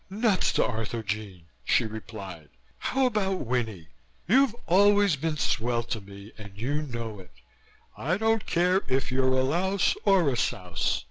"Nuts to Arthurjean," she replied. "How about Winnie? You've always been swell to me, and you know it. I don't care if you're a louse or a souse.